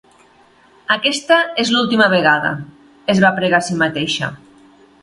"Aquesta és l'última vegada", es va pregar a si mateixa.